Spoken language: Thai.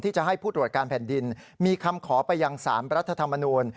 จะให้ผู้ตรวจการแผ่นดินมีคำขอไปยัง๓รัฐธรรมนูล